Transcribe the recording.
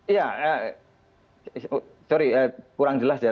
iya sorry kurang jelas ya